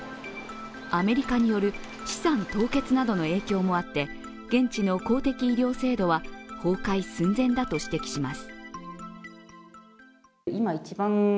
アメリカによる資産凍結などの影響もあって、現地の公的医療制度は崩壊寸前だと指摘します。